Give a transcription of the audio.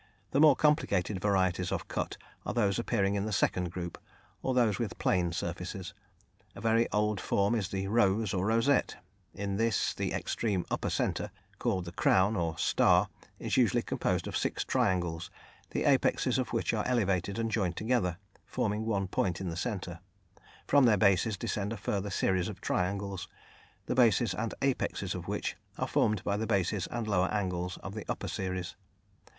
The more complicated varieties of cut are those appearing in the second group, or those with plane surfaces. A very old form is the "rose" or "rosette"; in this the extreme upper centre, called the "crown," or "star," is usually composed of six triangles, the apexes of which are elevated and joined together, forming one point in the centre. From their bases descend a further series of triangles, the bases and apexes of which are formed by the bases and lower angles of the upper series.